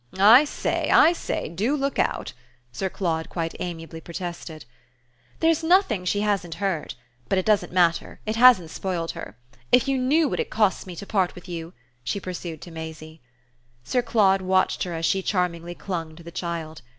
"I say, I say: DO look out!" Sir Claude quite amiably protested. "There's nothing she hasn't heard. But it doesn't matter it hasn't spoiled her. If you knew what it costs me to part with you!" she pursued to Maisie. Sir Claude watched her as she charmingly clung to the child.